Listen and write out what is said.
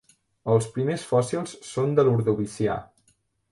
Els primers fòssils són de l'Ordovicià.